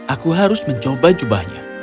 aku harus mencoba jubahnya